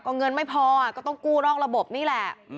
เงินไม่พอก็ต้องกู้นอกระบบนี่แหละ